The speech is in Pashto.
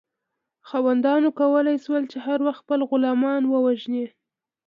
خاوندانو کولی شول چې هر وخت خپل غلامان ووژني.